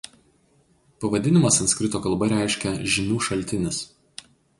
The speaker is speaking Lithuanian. Pavadinimas sanskrito kalba reiškia „žinių šaltinis“.